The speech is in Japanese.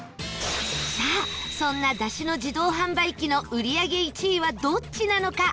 さあ、そんなだしの自動販売機の売り上げ１位はどっちなのか？